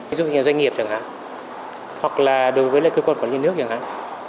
ví dụ như doanh nghiệp chẳng hạn hoặc là đối với lại cơ quan quản lý nước chẳng hạn